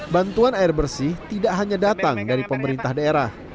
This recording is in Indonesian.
bantuan air bersih tidak hanya datang dari pemerintah daerah